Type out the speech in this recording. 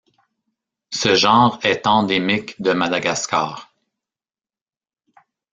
Ce genre est endémique de Madagascar.